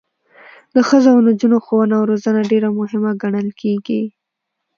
د ښځو او نجونو ښوونه او روزنه ډیره مهمه ګڼل کیږي.